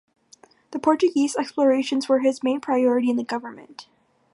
The Portuguese explorations were his main priority in government.